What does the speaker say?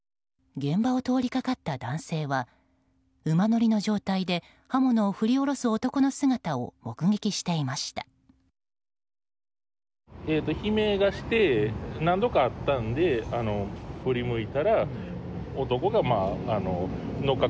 現場を通りかかった男性は馬乗りの状態で刃物を振り下ろす男の姿を目撃していました。